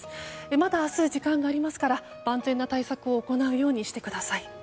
まだ明日時間がありますから万全な対策を行うようにしてください。